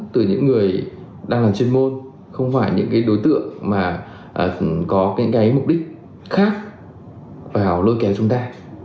từ những người đang làm chuyên môn không phải những cái đối tượng mà có cái mục đích khác vào lôi kéo chúng ta